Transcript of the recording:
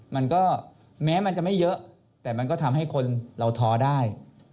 มันก็แม้มันจะไม่เยอะแต่มันก็ทำให้คนเราท้อได้